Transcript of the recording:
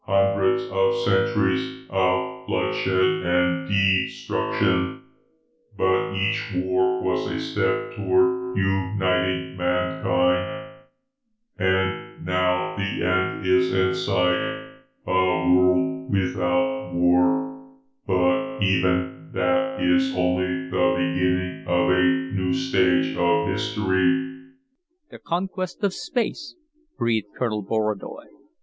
"Hundreds of centuries of bloodshed and destruction. But each war was a step toward uniting mankind. And now the end is in sight: a world without war. But even that is only the beginning of a new stage of history." "The conquest of space," breathed Colonel Borodoy.